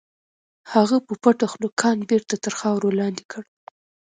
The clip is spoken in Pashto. هغه په پټه خوله کان بېرته تر خاورو لاندې کړ.